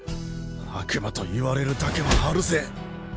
悪魔と言われるだけはあるぜ！